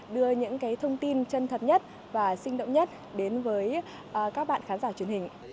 đưa những thông tin chân thật nhất và sinh động nhất đến với các bạn khán giả truyền hình